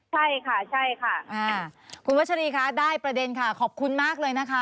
ใช่ค่ะใช่ค่ะคุณวัชรีคะได้ประเด็นค่ะขอบคุณมากเลยนะคะ